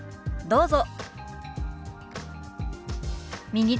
どうぞ。